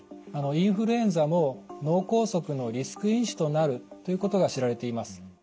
インフルエンザも脳梗塞のリスク因子となるということが知られています。